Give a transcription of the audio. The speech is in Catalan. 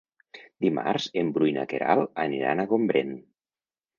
Dimarts en Bru i na Queralt aniran a Gombrèn.